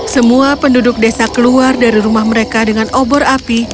semua penduduk desa keluar dari rumah mereka dengan obor api